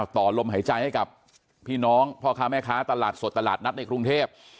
ต่อลมหายใจให้กับพี่น้องพ่อค้าแม่ค้าตลาดสดตลาดนัดในกรุงเทพ